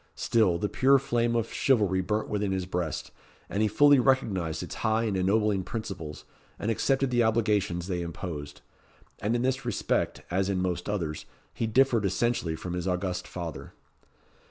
Still, the pure flame of chivalry burnt within his breast, and he fully recognised its high and ennobling principles, and accepted the obligations they imposed. And in this respect, as in most others, he differed essentially from his august father.